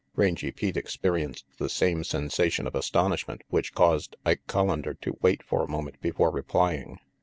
Rangy Pete experienced the same sensation of astonishment which caused Ike Collander to wait for a moment before replying.